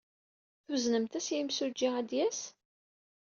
Tuznemt-as i yimsujji ad d-yas?